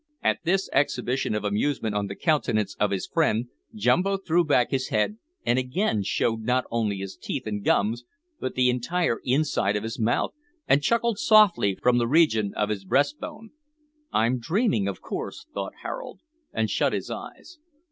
At this exhibition of amusement on the countenance of his friend, Jumbo threw back his head and again showed not only his teeth and gums but the entire inside of his mouth, and chuckled softly from the region of his breast bone. "I'm dreaming, of course," thought Harold, and shut his eyes.